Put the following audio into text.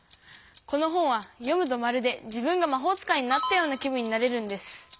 この本は読むとまるで自分がまほう使いになったような気分になれるんです。